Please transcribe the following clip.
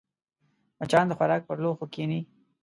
مچان د خوراک پر لوښو کښېني